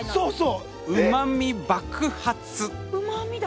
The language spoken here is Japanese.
うまみ爆発！